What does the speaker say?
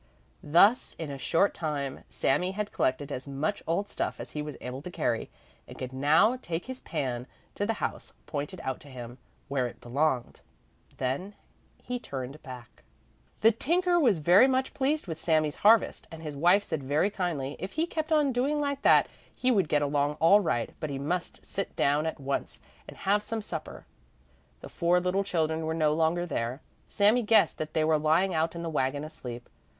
Thus in a short time Sami had collected as much old stuff as he was able to carry, and could now take his pan to the house pointed out to him, where it belonged. Then he turned back. [Illustration: "Such stray waifs as you are not willing ta do anything."] The tinker was very much pleased with Sami's harvest and his wife said very kindly, if he kept on doing like that, he would get along all right, but he must sit down at once and have some supper. The four little children were no longer there. Sami guessed that they were lying out in the wagon asleep.